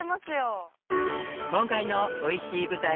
今回のおいしい舞台